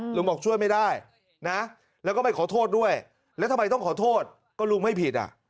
ลุงบอกช่วยไม่ได้นะแล้วก็ไม่ขอโทษด้วยแล้วทำไมต้องขอโทษก็ลุงไม่ผิดอ่ะ